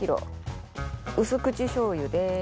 薄口しょう油です。